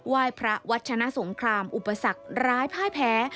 ยพระวัชนะสงครามอุปสรรคร้ายพ่ายแพ้